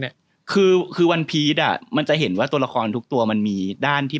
เนี้ยคือคือวันพีชอ่ะมันจะเห็นว่าตัวละครทุกตัวมันมีด้านที่